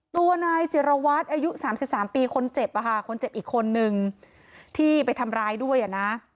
ตัวนายเจรวัตรอายุ๓๓ปีคนเจ็บอีกคนนึงที่ไปทำร้ายด้วยนะ